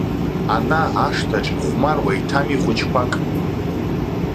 Ана, ашҭаҿ, ихәмаруа иҭами хәыҷқәак!